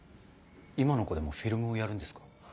今の子でもフィルムをやるんですか？